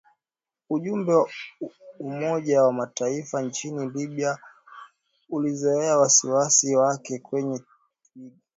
Ujumbe wa Umoja wa Mataifa nchini Libya ulielezea wasiwasi wake kwenye twita kuhusu ripoti ya uhamasishaji